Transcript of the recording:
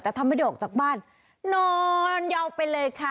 แต่ถ้าไม่ได้ออกจากบ้านนอนยาวไปเลยค่ะ